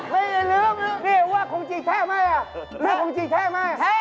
มีเกี่ยวคนจีนออก